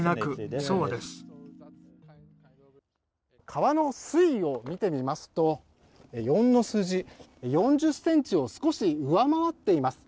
川の水位を見てみますと４の数字４０ｃｍを少し上回っています。